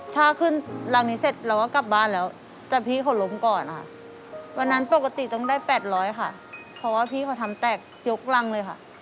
ถ้าขึ้นรังนี้เสร็จเราก็กลับบ้านแล้วแต่พี่เขาล้มก่อนค่ะวันนั้นปกติต้องได้๘๐๐ค่ะเพราะว่าพี่เขาทำแตกยกรังเลยค่ะ